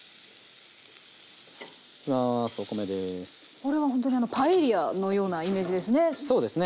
これはほんとにあのパエリアのようなイメージですね。